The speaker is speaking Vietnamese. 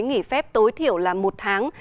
nghỉ phép tối thiểu là một tháng